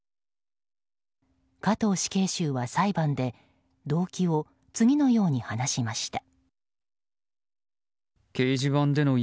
加藤死刑囚は裁判で動機を次のように話しました。